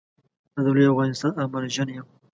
زه د لوي افغانستان ارمانژن يم